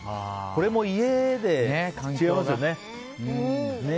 これも家で違いますよね。